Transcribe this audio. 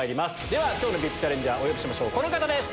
では今日のＶＩＰチャレンジャーお呼びしましょうこの方です！